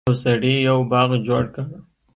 یو سړي یو باغ جوړ کړ.